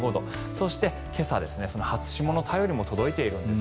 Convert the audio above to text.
そして、今朝初霜の便りも届いているんです。